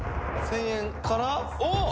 「１０００円から。おっ？」